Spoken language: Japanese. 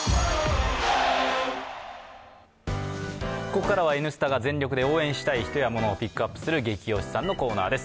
ここからは「Ｎスタ」が全力で応援したい人やものをピックアップする「ゲキ推しさん」のコーナーです。